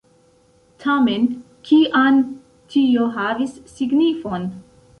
Tamen, kian tio havis signifon?